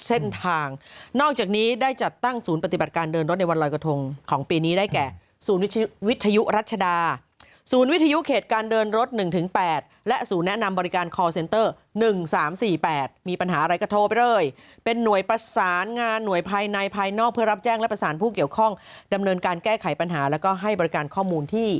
เส้นทางนอกจากนี้ได้จัดตั้งศูนย์ปฏิบัติการเดินรถในวันลอยกระทงของปีนี้ได้แก่ศูนย์วิทยุรัชดาศูนย์วิทยุเขตการเดินรถ๑๘และศูนย์แนะนำบริการคอลเซนเตอร์๑๓๔๘มีปัญหาอะไรก็โทรไปเลยเป็นหน่วยประสานงานหน่วยภายในภายนอกเพื่อรับแจ้งและประสานผู้เกี่ยวข้องดำเนินการแก้ไขปัญหาแล้วก็ให้บริการข้อมูลที่